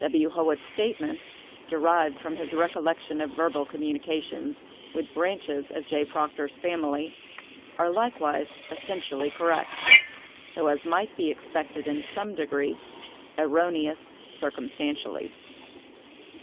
W. Howitt's statements, derived from his recollection of verbal communications with branches of J. Proctor's family, are likewise essentially correct, though, as might be expected in some degree, erroneous circumstantially.